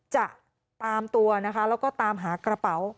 จะตามตัวนะคะแล้วก็ตามหากระเป๋า